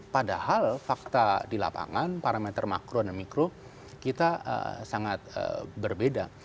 padahal fakta di lapangan parameter makro dan mikro kita sangat berbeda